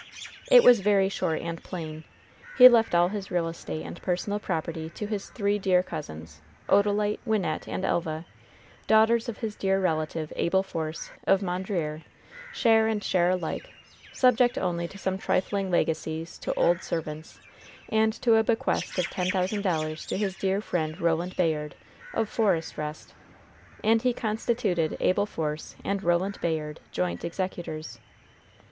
It was very short and plain. He left all his real estate and personal property to his three dear cousins, Odalite, Wynnette and Elva, daughters of his dear relative, Abel Force, of Mondreer, share and share alike, subject only to some trifling legacies to old servants and to a bequest of ten thousand dollars to his dear friend Roland Bayard, of Forest Rest; and he constituted Abel Force and Roland Bayard joint executors.